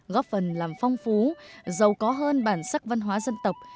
góp phần làm phong phú giàu có hơn bản sắc văn hóa dân tộc